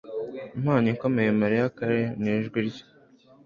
Impano ikomeye Mariah Carey nijwi rye